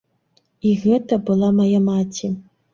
І гэта была мая маці.